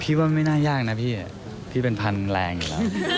พี่ว่าไม่น่ายากนะพี่พี่เป็นพันแรงอยู่แล้ว